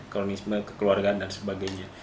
kronisme kekeluargaan dan sebagainya